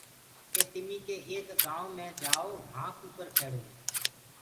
ڪي تمي ڪي ايڪ گآئوُنٚ مي جآئو وهآنٚ ڪٚڪر کيڙو هي۔